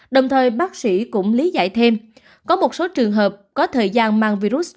đồng thời bác sĩ cũng lý dạy thêm có một số trường hợp có thời gian mang virus